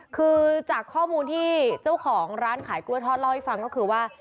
คือจากข้อมูลที่เจ้าของร้านขายกล้วยทอดเล่าให้ฟังก็คือว่า